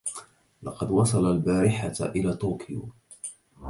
لقد وصل البارحة الى طوكيو